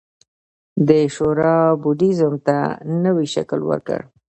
دې شورا بودیزم ته نوی شکل ورکړ